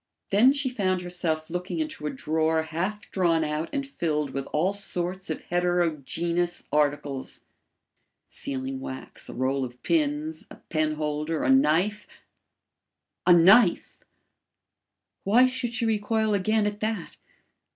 Then she found herself looking into a drawer half drawn out and filled with all sorts of heterogeneous articles: sealing wax, a roll of pins, a pen holder, a knife A KNIFE! Why should she recoil again at that?